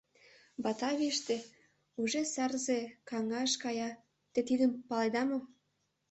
Батавийыште уже сарзе каҥаш кая, те тидым паледа мо?